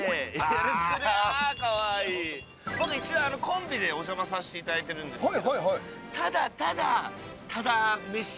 僕、一度コンビでお邪魔させていただいてるんですけど。